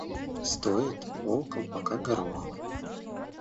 Стоит полколпака гороху.